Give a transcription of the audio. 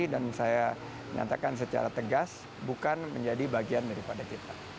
dan saya menyatakan secara tegas bukan menjadi bagian daripada kita